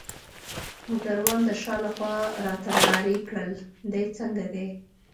موټروان د شا لخوا راته نارې کړل: دی څنګه دی؟